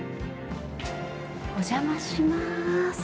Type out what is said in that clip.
お邪魔します。